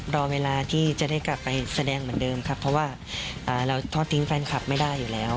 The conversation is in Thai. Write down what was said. รอเวลาที่จะได้กลับไปแสดงเหมือนเดิมครับเพราะว่าเราทอดทิ้งแฟนคลับไม่ได้อยู่แล้ว